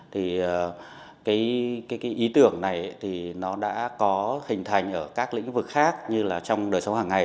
thì cái ý tưởng này thì nó đã có hình thành ở các lĩnh vực khác như là trong đời sống hàng ngày